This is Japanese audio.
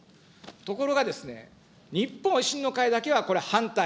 ところがですね、日本維新の会だけはこれ、反対。